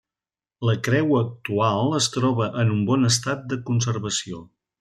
La creu actual es troba en un bon estat de conservació.